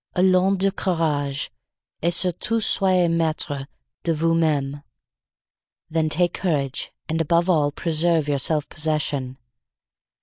Allons du courage, et surtout soyez maitre de vous meme. Then take courage and above all preserve your self possession.